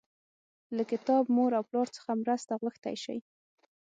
له کتاب، مور او پلار څخه مرسته غوښتی شئ.